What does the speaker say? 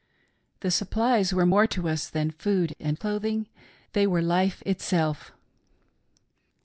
" The supplies were to us more than food and clothing — they were life itself.